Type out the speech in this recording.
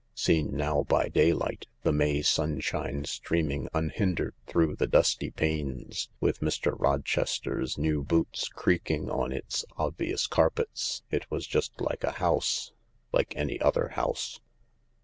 Seen now by daylight, the May sunshine streaming unhindered through the dusty panes, with Mr. Rochester's new boots creaking on its obvious carpets, it was just like a house — like any other house.